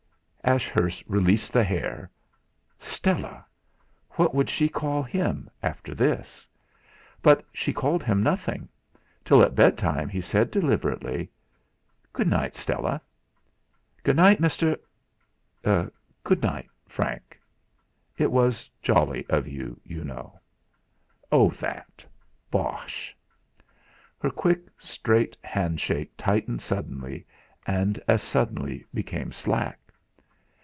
Ashurst released the hair. Stella! What would she call him after this? But she called him nothing; till at bedtime he said, deliberately: "Good night, Stella!" "Good night, Mr. Good night, Frank! It was jolly of you, you know!" "Oh that! Bosh!" Her quick, straight handshake tightened suddenly, and as suddenly became slack.